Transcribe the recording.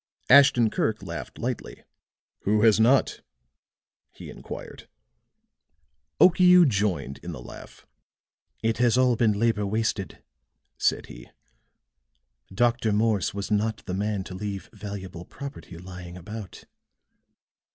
Ashton Kirk laughed lightly. "Who has not?" he inquired. Okiu joined in the laugh. "It has all been labor wasted," said he. "Dr. Morse was not the man to leave valuable property lying about."